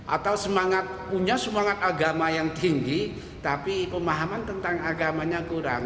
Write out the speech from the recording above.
atau punya semangat agama yang tinggi tapi pemahaman tentang agamanya kurang